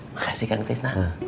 makasih kang tisno